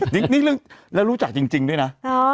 นี่เรื่องแล้วรู้จักจริงด้วยนะ